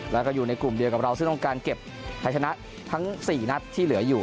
แล้วก็อยู่ในกลุ่มเดียวกับเราซึ่งต้องการเก็บไทยชนะทั้ง๔นัดที่เหลืออยู่